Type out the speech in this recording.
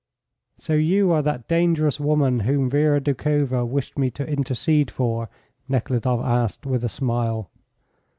"So you are that dangerous woman whom Vera Doukhova wished me to intercede for?" Nekhludoff asked, with a smile.